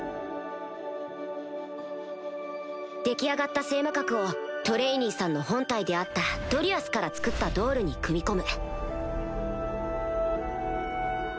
出来上がった聖魔核をトレイニーさんの本体であった大霊樹から作った人形に組み込む